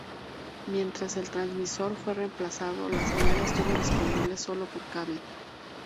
Mientras el transmisor fue reemplazado, la señal estuvo disponible sólo por cable.